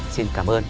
xin cảm ơn